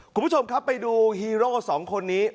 คุณผู้ชมครับไปดูฮีโร่สองคนนี้